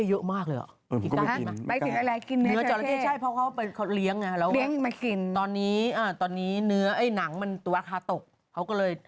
อย่าไปกินนะใครหลอกให้จะกิน